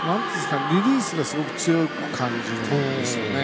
リリースがすごく強く感じるんですよね。